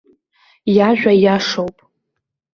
Иажәа иашоуп.